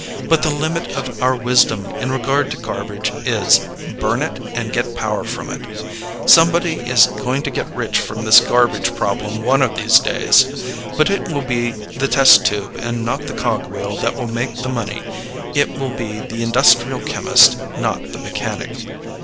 But the limit of our wisdom in regard to garbage is: burn it and get power from it. Somebody is going to get rich from this garbage problem one of these days. But it will be the test tube and not the cogwheel that will make the money. It will be the industrial chemist, not the mechanic.